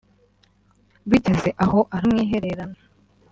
Bigeze aho aramwihererana